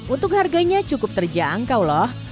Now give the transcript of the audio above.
untuk harganya cukup terjangkau loh